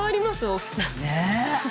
大きさ。